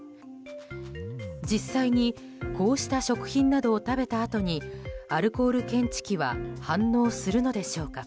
実際にこうした食品などを食べたあとにアルコール検知器は反応するのでしょうか。